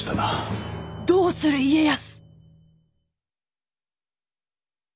どうする家康。